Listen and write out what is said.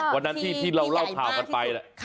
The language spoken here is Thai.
วันนั้นที่เราเล่าข่าวกันไป